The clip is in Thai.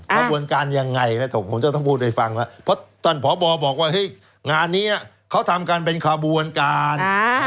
กระบวนการยังไงผมจะต้องพูดด้วยฟังเพราะตอนพ่อบอบอกว่างานนี้เขาทำการเป็นกระบวนการ